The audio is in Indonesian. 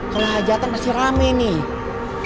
kalau hajatan masih rame nih